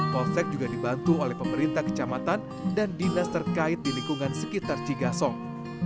polsek juga dibantu oleh pemerintah kecamatan dan dinas terkait di lingkungan sekitar cigasong